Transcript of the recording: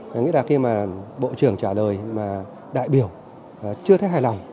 có nghĩa là khi mà bộ trưởng trả lời mà đại biểu chưa thấy hài lòng